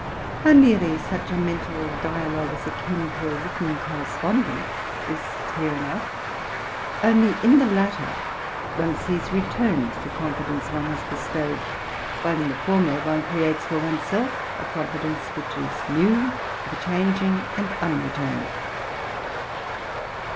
How nearly such a mental dialogue is akin to a written correspondence, is plain enough : only in the latter one sees returned the confidence one has bestowed; while, in the former, one creates for one's self a bronfidenes which is new, ever changing, and unreturned.